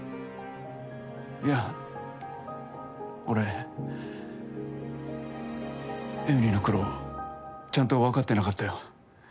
いや俺江美里の苦労ちゃんとわかってなかったよ。